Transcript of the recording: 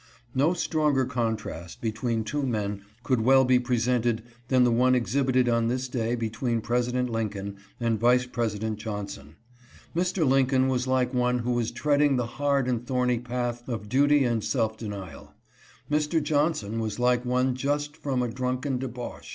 443 No stronger contrast between two men could well be presented than the one exhibited on this day between President Lincoln and Vice President Johnson. Mr. Lincoln was like one who was treading the hard and thorny path of duty and self denial ; Mr. Johnson was like one just from a drunken debauch.